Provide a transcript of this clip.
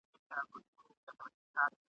چي دا ولي؟ راته ووایاست حالونه !.